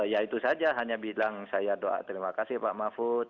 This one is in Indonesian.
ya itu saja hanya bilang saya doa terima kasih pak mahfud